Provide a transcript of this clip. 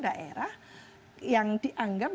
daerah yang dianggap